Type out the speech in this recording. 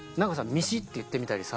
ミシっていってみたりさ。